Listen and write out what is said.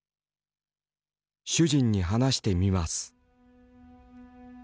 「主人に話してみます」。